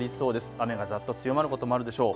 雨がざっと強まることもあるでしょう。